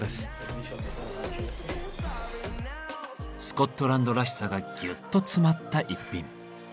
スコットランドらしさがぎゅっと詰まった一品。